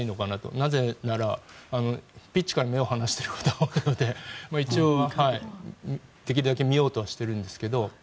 なぜならピッチから目を離していることが多いので一応、できるだけ見ようとしているんですが。